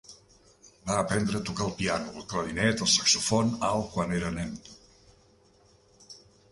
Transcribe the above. Va aprendre a tocar el piano, el clarinet i el saxofon alt quan era nen.